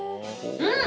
うん！